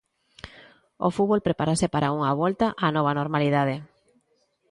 O fútbol prepárase para unha volta á nova normalidade.